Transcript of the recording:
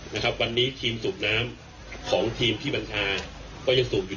นะครับวันนี้ทีมสูบน้ำของทีมพี่บัญชาก็ยังสูบอยู่